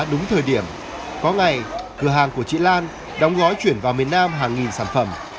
đúng thời điểm có ngày cửa hàng của chị lan đóng gói chuyển vào miền nam hàng nghìn sản phẩm